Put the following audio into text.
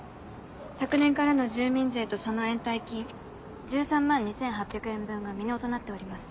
昨年からの住民税とその延滞金１３万２８００円分が未納となっております。